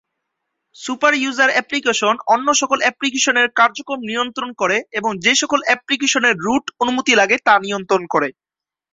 Super user application অন্য সকল অ্যাপ্লিকেশনের কার্যক্রম নিয়ন্ত্রণ করে এবং যে সকল অ্যাপ্লিকেশনের রুট অনুমতি লাগে তা নিয়ন্ত্রণ করে।